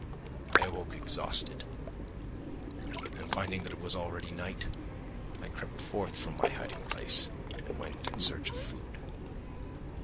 I awoke exhausted, and finding that it was already night, I crept forth from my hiding place, and went in search of food.